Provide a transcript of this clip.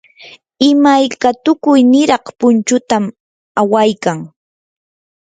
imayka tukuy niraq punchutam awaykan.